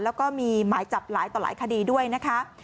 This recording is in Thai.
แล้วก็มีหมายจับหลายต่อหลายคดีด้วยนะคะ